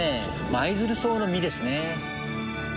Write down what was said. マイヅルソウの実ですね。